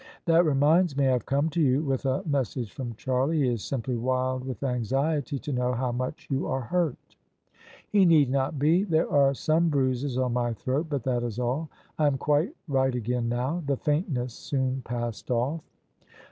" That reminds me I have come to you with a message from Charlie. He is simply wild with anxiety to know how much you are hurt." " He need not be. There are some bruises on my throat, but that is all. I am quite right again now; the faintness soon passed o£E."